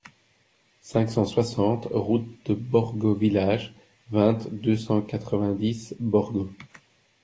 cinq cent soixante route de Borgo Village, vingt, deux cent quatre-vingt-dix, Borgo